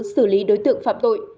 xử lý đối tượng phạm tội